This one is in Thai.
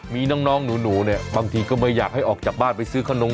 มีน้องหนูเนี่ยบางทีก็ไม่อยากให้ออกจากบ้านไปซื้อขนม